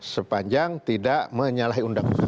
sepanjang tidak menyalahi undang undang